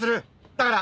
だから！